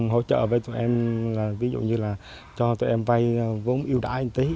hỗ trợ với tụi em là ví dụ như là cho tụi em vay vốn yêu đáy một tí